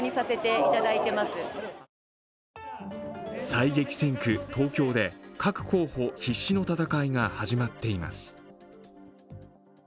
最激戦区・東京で各候補必死の戦いが始まっています。